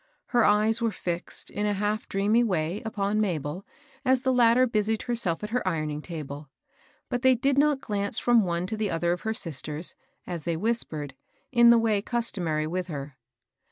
Her eyes were fixed, in a half 4reamy way, upon Mabel, as the latter busied herself at her ironing table ; but they did not glance &om one to the other of her sisters, as they whispered, in the way customary with her.